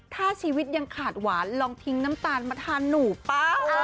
ถ้าชีวิตยังขาดหวานลองทิ้งน้ำตาลมาทานหนูป่ะ